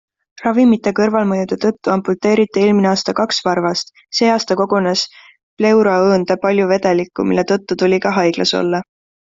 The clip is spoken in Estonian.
Ravimite kõrvalmõjude tõttu amputeeriti eelmine aasta kaks varvast, see aasta kogunes pleuraõõnde palju vedelikku, mille tõttu tuli ka haiglas olla.